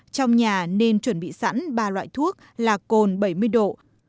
trong nhà nên chuẩn bị sẵn ba loại thuốc là cồn bảy mươi độ